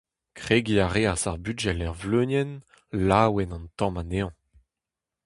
Kregiñ a reas ar bugel er vleunienn, laouen an tamm anezhañ.